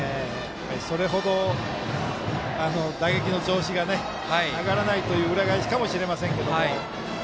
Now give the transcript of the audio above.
それほど打撃の調子が上がらないという裏返しかもしれませんけれども。